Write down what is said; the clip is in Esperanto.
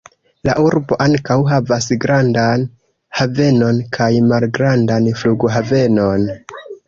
La urbo ankaŭ havas grandan havenon kaj malgrandan flughavenon.